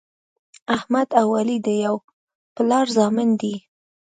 احمد او علي د یوه پلار زامن دي.